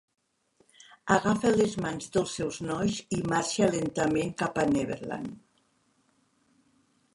Agafa les mans dels seus nois i marxa lentament cap a Neverland.